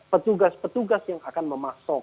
petugas petugas yang akan memasok